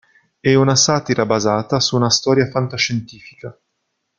È una satira basata su una storia fantascientifica.